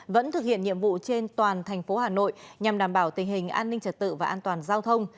vẫn thực hiện nhiệm vụ trên toàn thành phố hà nội nhằm đảm bảo tình hình an ninh trật tự và an toàn giao thông